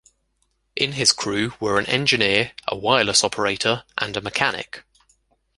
In his crew were an engineer, a wireless operator and a mechanic.